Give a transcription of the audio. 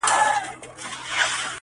هغه کيسې د چڼچڼيو د وژلو کړلې،